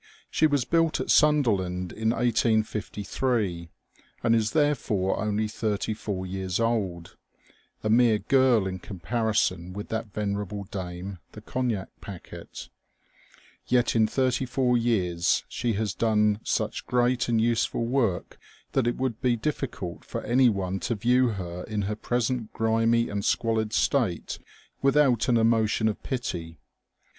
She was buUt at Sunderland in 1853, and is therefore only thirty four years old, a mere girl in comparison with that venerable dame, the Cognac Packet Yet in thirty four years she has done such great and useful work that it would be diflBcult for any one to view her in her present grimy and squalid state without an emotion of pity.